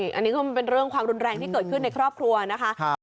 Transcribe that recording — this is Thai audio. อันนี้ก็มันเป็นเรื่องความรุนแรงที่เกิดขึ้นในครอบครัวนะคะ